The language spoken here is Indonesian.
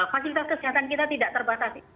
fasilitas kesehatan kita tidak terbatas